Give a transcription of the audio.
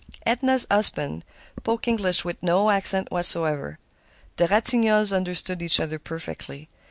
Edna's husband spoke English with no accent whatever. The Ratignolles understood each other perfectly.